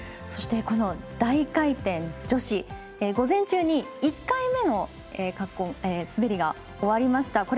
この大回転女子午前中に１回目の滑りが終わりました。